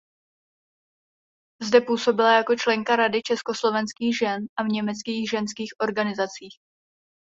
Zde působila jako členka Rady československých žen a v německých ženských organizacích.